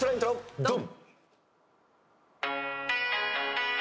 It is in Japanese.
ドン！